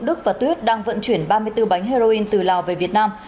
đức và tuyết đang vận chuyển ba mươi bốn bánh heroin từ lào về việt nam